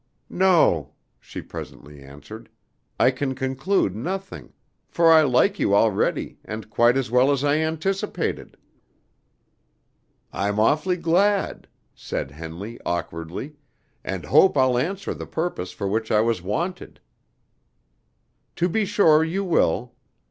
"No," she presently answered, "I can conclude nothing; for I like you already, and quite as well as I anticipated." "I'm awfully glad," said Henley, awkwardly, "and hope I'll answer the purpose for which I was wanted." "To be sure you will.